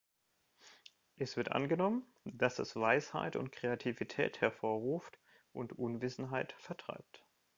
Es wird angenommen, dass es Weisheit und Kreativität hervorruft und Unwissenheit vertreibt.